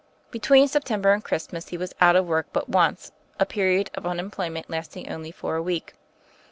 Between September and Christmas he was out of work but once, his period of unemployment lasting only for a week.